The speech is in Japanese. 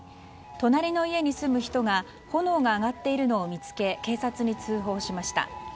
隣の家に住む人が炎が上がっているのを見つけ警察に通報しました。